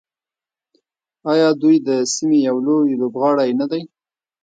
آیا دوی د سیمې یو لوی لوبغاړی نه دی؟